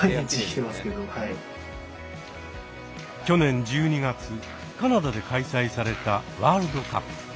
去年１２月カナダで開催されたワールドカップ。